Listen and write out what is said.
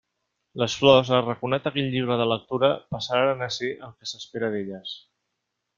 Les flors, arraconat aquell llibre de lectura, passaren a ser el que s'espera d'elles.